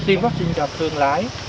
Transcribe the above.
tiêm vaccine cho thương lái